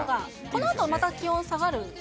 このあと気温下がる？